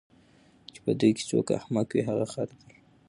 چی په دوی کی څوک احمق وي هغه خر دی